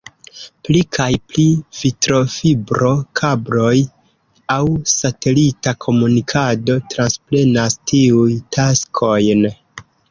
Pli kaj pli vitrofibro-kabloj aŭ satelita komunikado transprenas tiuj taskojn.